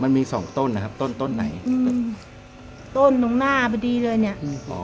มันมีสองต้นนะครับต้นต้นไหนอืมต้นตรงหน้าพอดีเลยเนี้ยอืม